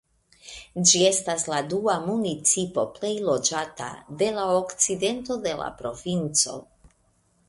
Ĝi estas la dua municipo plej loĝata de la okcidento de la provinco.